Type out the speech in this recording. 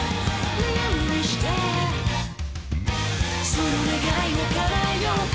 「その願いを叶えようか」